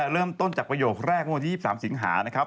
เริ่มต้นจากประโยคแรกเมื่อวันที่๒๓สิงหานะครับ